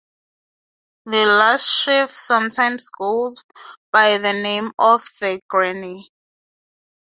"The last sheaf sometimes goes by the name of "The Granny"."